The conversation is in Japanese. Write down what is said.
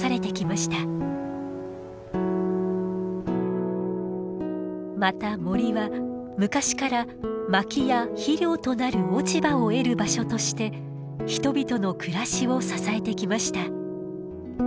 また森は昔から薪や肥料となる落ち葉を得る場所として人々の暮らしを支えてきました。